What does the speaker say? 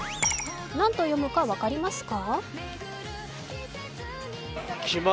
何と読むか分かりますか？